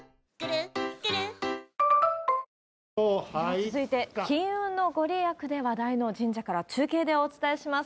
続いて、金運の御利益で話題の神社から中継でお伝えします。